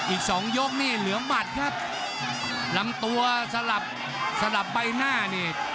อีกสองยกนี่เหลือหมัดครับลำตัวสลับสลับใบหน้านี่